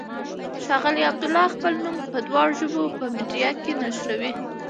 ښاغلی عبدالله خپل نوم په دواړو ژبو په میډیا کې نشروي.